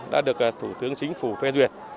đã được thủ tướng chính phủ phê duyệt